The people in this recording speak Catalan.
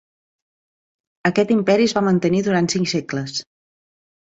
Aquest imperi es va mantenir durant cinc segles.